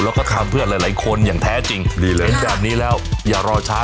แล้วก็ทำเพื่อนหลายคนอย่างแท้จริงนะแบบนี้แล้วอย่ารอช้า